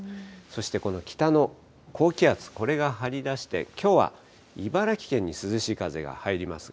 そしてこの北の高気圧、これが張り出して、きょうは茨城県に涼しい風が入ります。